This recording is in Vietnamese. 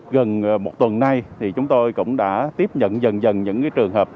gần một tuần nay thì chúng tôi cũng đã tiếp nhận dần dần những trường hợp